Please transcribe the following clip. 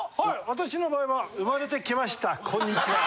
私の場合は「生まれてきましたこんにちは」。